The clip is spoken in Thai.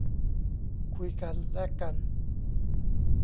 คุยกัน แลกกัน